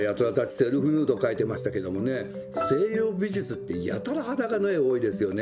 セルフヌードを描いてましたけどもね西洋美術ってやたら裸の絵多いですよね。